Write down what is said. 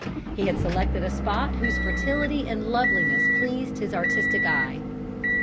He had selected a spot whose fertility and loveliness pleased his artistic eye.